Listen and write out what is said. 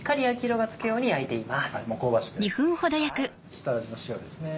下味の塩ですね。